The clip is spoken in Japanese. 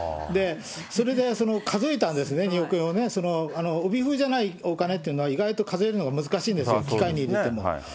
それで数えたんですね、２億円をね、その帯封じゃないお金っていうのは、意外と数えるのが難しいんですよ、機械に入れても。